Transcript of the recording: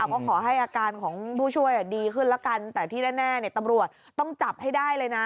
ก็ขอให้อาการของผู้ช่วยดีขึ้นแล้วกันแต่ที่แน่ตำรวจต้องจับให้ได้เลยนะ